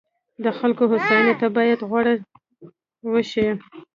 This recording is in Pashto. د خلکو هوساینې ته باید پوره غور وشي.